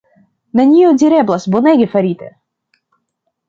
Nenio direblas, bonege farite!